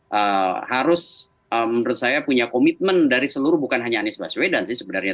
jadi harus menurut saya punya komitmen dari seluruh bukan hanya anies baswedan sih sebenarnya